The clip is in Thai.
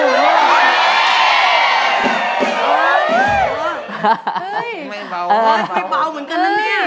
ไม่เบาเหมือนกันน่ะเนี่ย